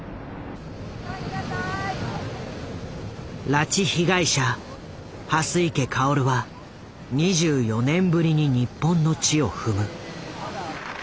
拉致被害者蓮池薫は２４年ぶりに日本の地を踏む。